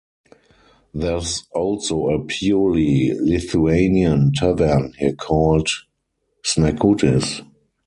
There’s also a purely Lithuanian tavern here called Šnekutis.